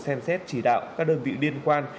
xem xét chỉ đạo các đơn vị liên quan